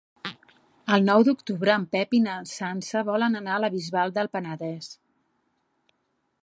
El nou d'octubre en Pep i na Sança volen anar a la Bisbal del Penedès.